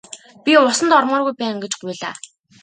Би усанд ормооргүй байна гэж гуйлаа.